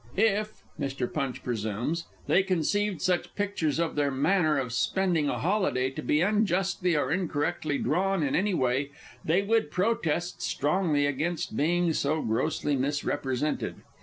If Mr. Punch presumes they conceived such pictures of their manner of spending a holiday to be unjustly or incorrectly drawn in any way, they would protest strongly against being so grossly misrepresented.